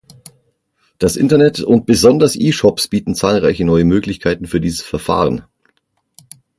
Das Internet und besonders E-Shops bieten zahlreiche neue Möglichkeiten für dieses Verfahren.